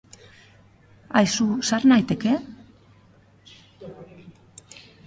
Aizu, sar naiteke?